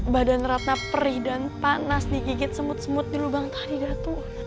badan ratna perih dan panas digigit semut semut di lubang tahidah tuhan